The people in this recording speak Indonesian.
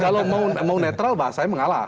kalau mau netral bahasanya mengalah